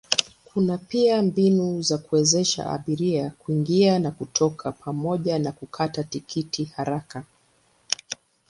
Kuna pia mbinu za kuwezesha abiria kuingia na kuondoka pamoja na kukata tiketi haraka.